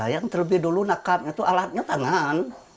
yang terlebih dulu nakam itu alatnya tangan